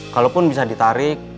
kalaupun bisa ditarik